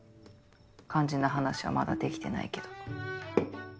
肝心な話はまだできてないけど。